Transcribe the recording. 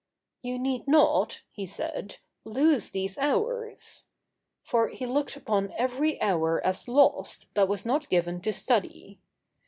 'You need not,' he said, 'lose these hours.' For he looked upon every hour as lost that was not given to study.